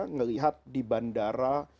ngelihat di bandara